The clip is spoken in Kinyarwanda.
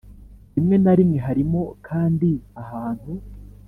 Rimwe na rimwe harimo kandi ahantu